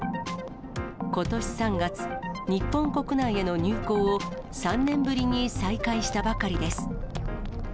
ことし３月、日本国内への入港を３年ぶりに再開したばかりです。